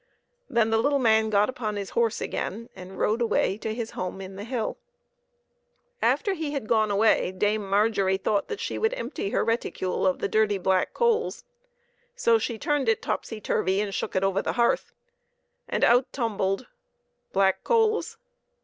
Then the little man got upon his horse again, and rode away to his home in the hill. After he had gone away, Dame Mar gery thought that she would empty her reticule of the dirty black coals; so she turned it topsy turvey, and "shook it over the hearth, and out tumbled black coals